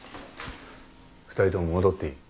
二人とも戻っていい